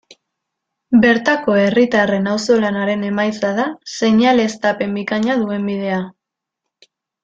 Bertako herritarren auzolanaren emaitza da seinaleztapen bikaina duen bidea.